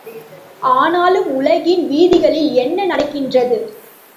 ஆனாலும் உலகின் வீதிகளில் என்ன நடக்கின்றது?